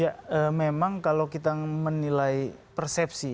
ya memang kalau kita menilai persepsi